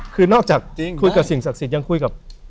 คือนอกจากคุยกับสิ่งศักดิ์สิทธิ์ยังคุยกับ